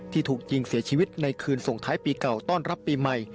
ถูกยิงเสียชีวิตในคืนส่งท้ายปีเก่าต้อนรับปีใหม่